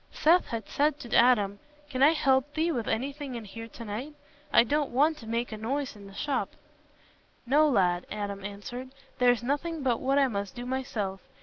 Seth had said to Adam, "Can I help thee with anything in here to night? I don't want to make a noise in the shop." "No, lad," Adam answered, "there's nothing but what I must do myself.